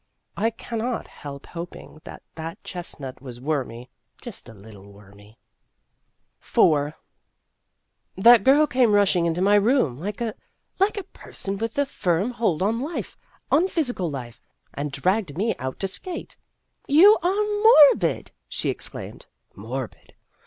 I cannot help hoping that that chestnut was wormy just a little wormy. 204 Vassar Studies IV That girl came rushing into my room like a like a person with a firm hold on life on physical life and dragged me out to skate. " You are morbid !" she exclaimed. (Morbid!)